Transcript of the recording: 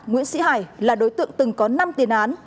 nguyễn sĩ hải là đối tượng từng có năm tiền án